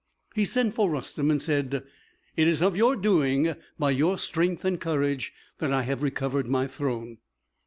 He sent for Rustem, and said, "It is of your doing, by your strength and courage, that I have recovered my throne."